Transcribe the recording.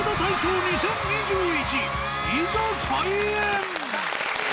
いざ開演史